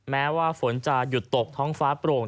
แม้ว่าฝนจะหยุดตกท้องฟ้าโปร่ง